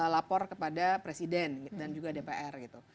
lapor kepada presiden dan juga dpr gitu